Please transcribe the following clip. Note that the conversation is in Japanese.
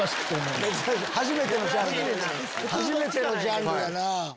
初めてのジャンルやな。